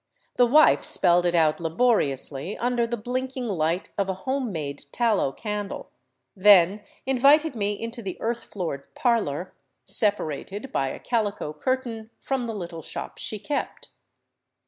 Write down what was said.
The wife spelled it out laboriously ; under the blinking light of a home made tallow candle, then invited ime into the earth floored "parlor," separated by a calico curtain from I the little shop she kept.